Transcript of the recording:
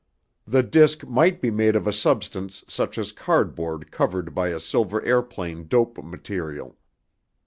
The disc might be made of a substance such as cardboard covered by a silver airplane dope material.